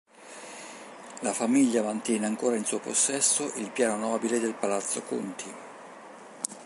La famiglia mantiene ancora in suo possesso il piano nobile del Palazzo Conti.